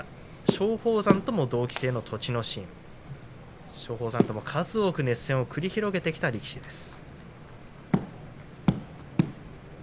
松鳳山とも同期生の栃ノ心松鳳山とも数多く熱戦を繰り広げてきた力士です。